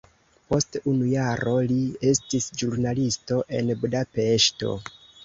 Post unu jaro li estis ĵurnalisto en Budapeŝto.